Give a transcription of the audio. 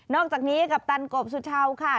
อกจากนี้กัปตันกบสุชาวค่ะ